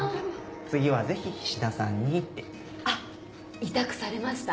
次はぜひ菱田さんにって。あっ痛くされました？